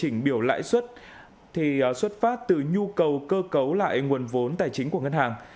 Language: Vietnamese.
điều chỉnh biểu lãi suất thì xuất phát từ nhu cầu cơ cấu lại nguồn vốn tài chính của ngân hàng